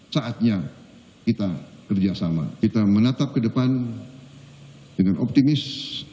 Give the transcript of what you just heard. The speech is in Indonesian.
saatnya kita kerjasama kita menatap ke depan dengan optimis